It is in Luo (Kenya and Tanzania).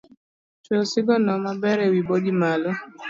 Twe osigono maber ewi bodi malo.